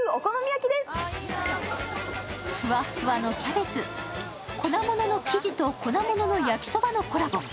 ふわっふわのキャベツ、粉ものの生地と粉もの焼きそばのコラボ。